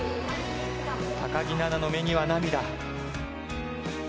木菜那の目には涙。